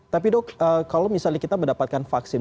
tapi dok kalau misalnya kita mendapatkan vaksin